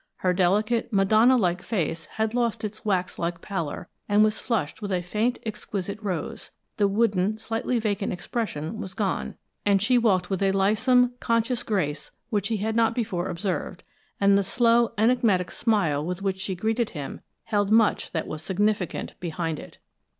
Her delicate, Madonna like face had lost its wax like pallor and was flushed with a faint, exquisite rose; the wooden, slightly vacant expression was gone; she walked with a lissome, conscious grace which he had not before observed, and the slow, enigmatic smile with which she greeted him held much that was significant behind it.